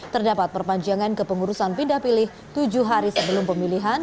terdapat perpanjangan kepengurusan pindah pilih tujuh hari sebelum pemilihan